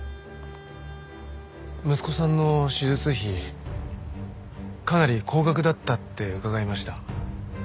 息子さんの手術費かなり高額だったって伺いました。